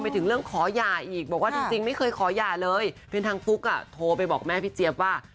เพราะเป็นทางฟุ๊กอ่ะโทรไปบอกแม่พี่เจฟว่า